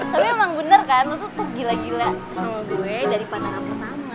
tapi emang bener kan itu tuh gila gila sama gue dari pandangan pertama